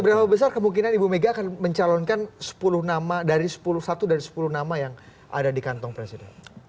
berapa besar kemungkinan ibu mega akan mencalonkan sepuluh nama dari sepuluh satu dari sepuluh nama yang ada di kantong presiden